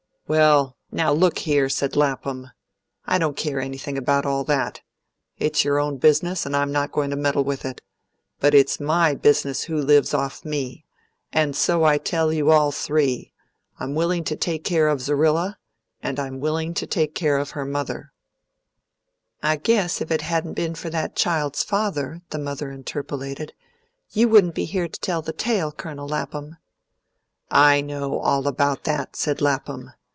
"Well, now, look here," said Lapham. "I don't care anything about all that. It's your own business, and I'm not going to meddle with it. But it's my business who lives off me; and so I tell you all three, I'm willing to take care of Zerrilla, and I'm willing to take care of her mother " "I guess if it hadn't been for that child's father," the mother interpolated, "you wouldn't been here to tell the tale, Colonel Lapham." "I know all about that," said Lapham.